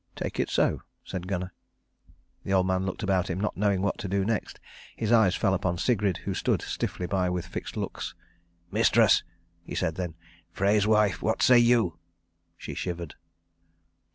"Take it so," said Gunnar. The old man looked about him, not knowing what to do next. His eyes fell upon Sigrid, who stood stiffly by with fixed looks. "Mistress," he said then, "Frey's wife, what say you?" She shivered.